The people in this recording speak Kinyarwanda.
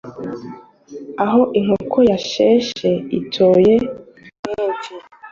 Aho inkoko yasheshe itoye kenshi.